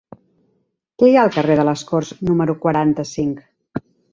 Què hi ha al carrer de les Corts número quaranta-cinc?